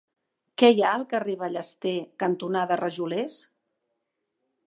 Què hi ha al carrer Ballester cantonada Rajolers?